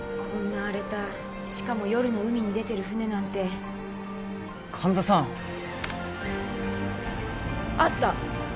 こんな荒れたしかも夜の海に出てる船なんて神田さんあった！